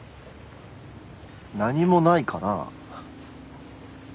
何もないかなあ？